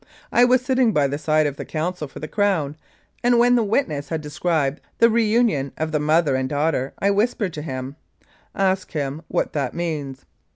I was sitting by the side of the counsel for the Crown, and when the witness had described the reunion of the mother and daughter, I whispered to him, "Ask him what that means."